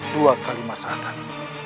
dua kalimat sadar